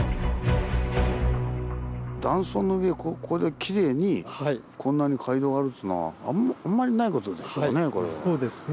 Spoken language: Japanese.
断層の上をこれだけきれいにこんなに街道があるっつうのはあんまりないことでしょうね